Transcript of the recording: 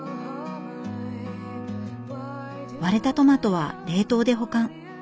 割れたトマトは冷凍で保管。